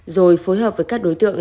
rồi phối hợp với các đối tượng